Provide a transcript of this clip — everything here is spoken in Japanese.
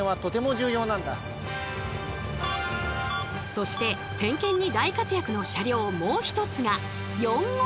そして点検に大活躍の車両もう一つが４号車。